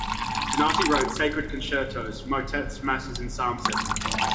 Donati wrote "sacred concertos", motets, masses and psalm settings.